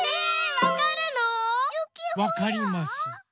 わかります。